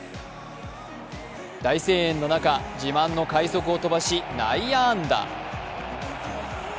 大声援の中、自慢の快足を飛ばし内野安打。